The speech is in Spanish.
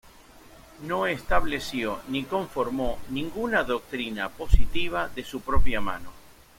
No estableció ni conformó ninguna doctrina positiva de su propia mano.